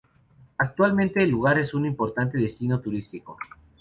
Actualmente el lugar es un importante destino turístico.